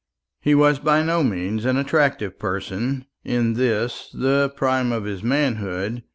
He was by no means an attractive person in this the prime of his manhood.